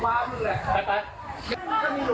อาหารเราสนาดสุดสี